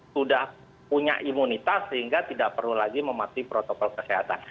sudah punya imunitas sehingga tidak perlu lagi mematuhi protokol kesehatan